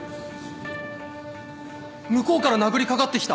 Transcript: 向こうから殴りかかってきた。